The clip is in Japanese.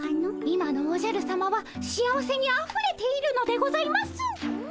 今のおじゃるさまは幸せにあふれているのでございます。